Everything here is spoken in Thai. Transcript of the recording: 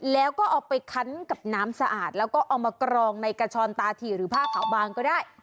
แล้วก็เอาไปคันกับน้ำสะอาดแล้วก็เอามากรองในกระชอนตาถี่หรือผ้าขาวบางก็ได้